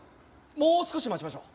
もう少し待ちましょう。